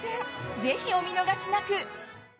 ぜひお見逃しなく！